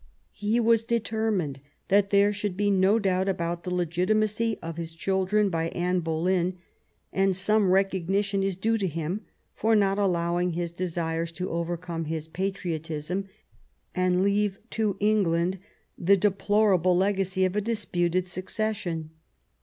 He was determined that there should be no doubt about the legitimacy of his children by Anne Boleyn ; and some recognition is due to him for not allowing his desires to overcome his patriotism, and leave to England the deplorable legacy of a disputed succession.